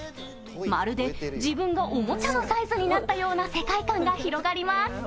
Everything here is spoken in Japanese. まるで自分がおもちゃのサイズになったような世界観が広がります。